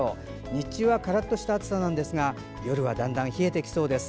日中はカラッとした暑さですが夜はだんだん冷えてきそうです。